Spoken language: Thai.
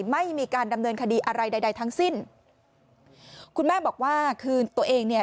ไม่มีการดำเนินคดีอะไรใดใดทั้งสิ้นคุณแม่บอกว่าคือตัวเองเนี่ย